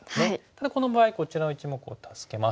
ただこの場合こちらの１目を助けます。